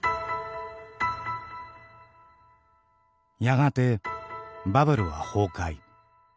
やがてバブルは崩壊。